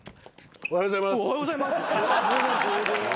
おはようございます。